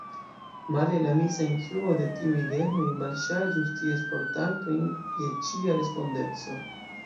Male: la misa influo de tiuj genoj malŝarĝus ties portantojn je ĉia respondeco!